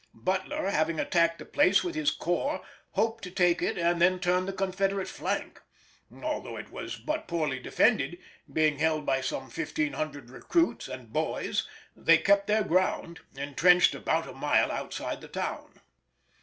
Butler, having attacked the place with his corps, hoped to take it and then turn the Confederate flank. Although it was but poorly defended, being held by some 1500 recruits and boys, they kept their ground, entrenched about a mile outside the town.